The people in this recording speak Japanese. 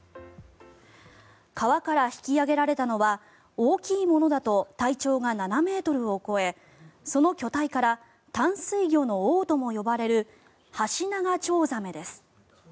川から引き上げられたのは大きいものだと体長が７ｍを超え、その巨体から淡水魚の王とも呼ばれるハシナガチョウザメです。